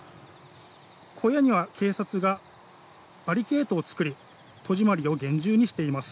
小屋には警察がバリケードを作り戸締まりを厳重にしています。